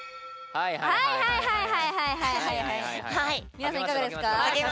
皆さん、いかがですか。